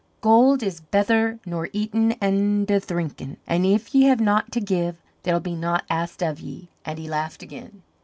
"Gold is betther nor eatin' an' dthrinkin'. An' if ye have naught to give, there'll be naught asked of ye;" and he laughed again.